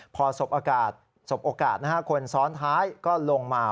พอสบโอกาสคนซ้อนท้ายก็ลงมา